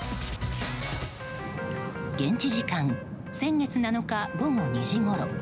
現地時間、先月７日午後２時ごろ。